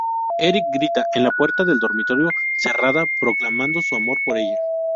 Erik grita en la puerta del dormitorio cerrada, proclamando su amor por ella.